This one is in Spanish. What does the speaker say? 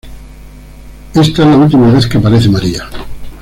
Esta es la última vez que aparece María.